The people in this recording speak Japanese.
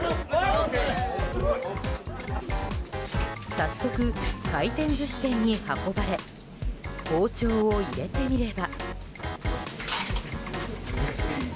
早速、回転寿司店に運ばれ包丁を入れてみれば。